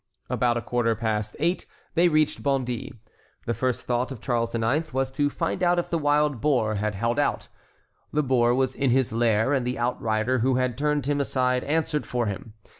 About a quarter past eight they reached Bondy. The first thought of Charles IX. was to find out if the wild boar had held out. The boar was in his lair, and the outrider who had turned him aside answered for him.